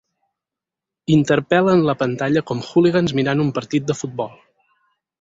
Interpel·len la pantalla com hooligans mirant un partit de futbol.